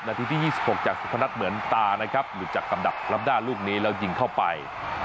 ที่๒๖จากสุพนัทเหมือนตานะครับหลุดจากลำดับล้ำหน้าลูกนี้แล้วยิงเข้าไป